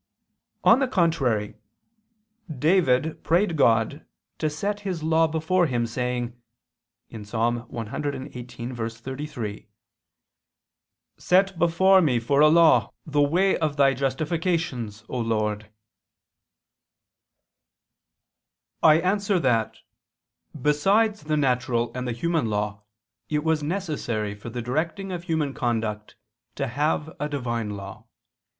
On the contrary, David prayed God to set His law before him, saying (Ps. 118:33): "Set before me for a law the way of Thy justifications, O Lord." I answer that, Besides the natural and the human law it was necessary for the directing of human conduct to have a Divine law.